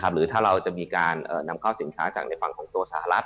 หรือถ้าเราจะมีการนำเข้าสินค้าจากในฝั่งของตัวสหรัฐ